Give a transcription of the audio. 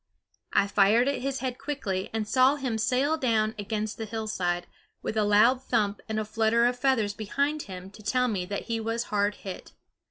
I fired at his head quickly, and saw him sail down against the hillside, with a loud thump and a flutter of feathers behind him to tell me that he was hard hit.